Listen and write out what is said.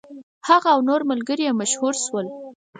هغه او نور ملګري یې مشهور شول.